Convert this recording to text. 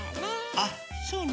あっそうね。